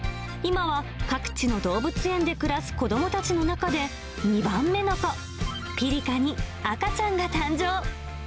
今は各地の動物園で暮らす子どもたちの中で、２番目の子、ピリカに赤ちゃんが誕生。